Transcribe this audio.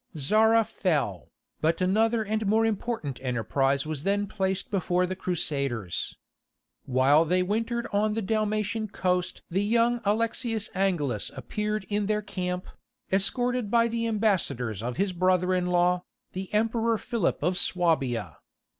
Zara fell, but another and a more important enterprise was then placed before the Crusaders. While they wintered on the Dalmatian coast the young Alexius Angelus appeared in their camp, escorted by the ambassadors of his brother in law, the Emperor Philip of Suabia.